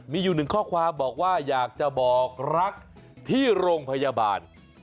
มีอยู่หนึ่งข้อความบอกว่าอยากจะบอกรักที่โรงพยาบาล